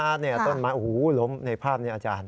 อาจารย์ต้นมาโอ้โหล้มในภาพนี้อาจารย์